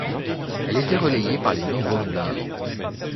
Elle était relayée par les nombreux moulins à vent.